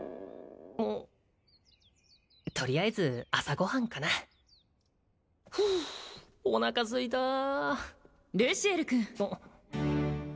とりあえず朝ご飯かなふうおなかすいたルシエル君